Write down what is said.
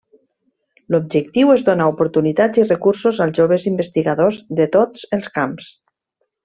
L’objectiu és donar oportunitats i recursos als joves investigadors de tots els camps.